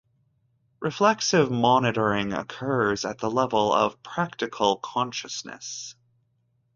Reflexive monitoring occurs at the level of practical consciousness.